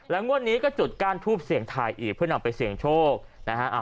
งวดนี้ก็จุดก้านทูบเสี่ยงทายอีกเพื่อนำไปเสี่ยงโชคนะฮะ